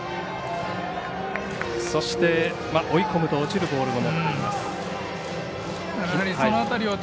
そして、追い込むと落ちるボールもあります。